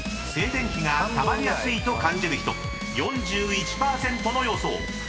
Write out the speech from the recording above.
［静電気がたまりやすいと感じる人４１％の予想］